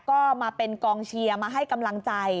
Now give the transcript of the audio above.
ก็มาเป็นกองเชียร์มาให้กำลังใจ